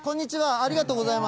ありがとうございます。